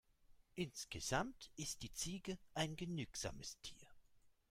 Insgesamt ist die Ziege ein genügsames Tier.